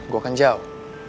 gue kan jauh